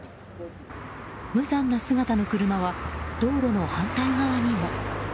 無残な姿の車は道路の反対側にも。